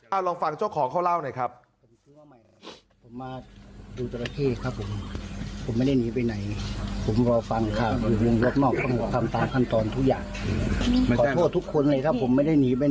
เอาลองฟังเจ้าของเขาเล่าหน่อยครับ